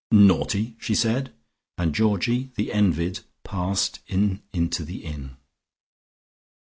"Naughty!" she said, and Georgie, the envied, passed in into the inn.